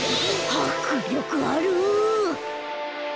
はくりょくある！